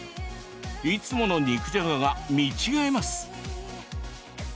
いつもの肉じゃがが、見違えます。